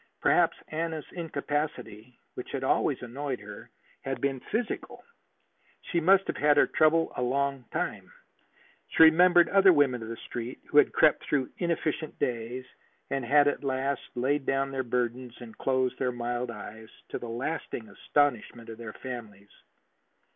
Perhaps Anna's incapacity, which had always annoyed her, had been physical. She must have had her trouble a longtime. She remembered other women of the Street who had crept through inefficient days, and had at last laid down their burdens and closed their mild eyes, to the lasting astonishment of their families.